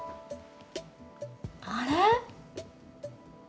あれ？